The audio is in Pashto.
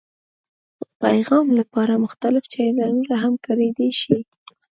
د یو پیغام لپاره مختلف چینلونه هم کارېدای شي.